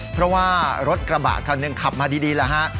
เพราะว่ารถกระบะคันหนึ่งขับมาดีแล้วฮะ